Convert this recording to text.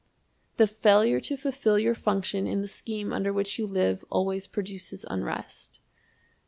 The failure to fulfill your function in the scheme under which you live always produces unrest.